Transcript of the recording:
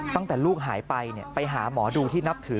ตั้งแต่ลูกหายไปไปหาหมอดูที่นับถือ